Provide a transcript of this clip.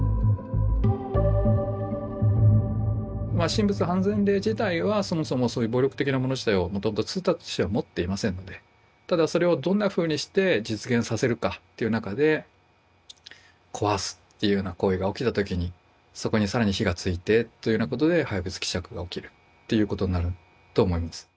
神仏判然令自体はそもそもそういう暴力的なもの自体をもともと通達としては持っていませんのでただそれをどんなふうにして実現させるかっていう中で壊すっていうような行為が起きた時にそこに更に火がついてというようなことで廃仏毀釈が起きるっていうことになると思います。